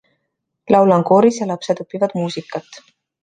Laulan kooris ja lapsed õpivad muusikat.